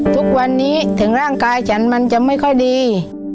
ทุกวันนี้ถึงร่างกายฉันมันจะไม่ค่อยดี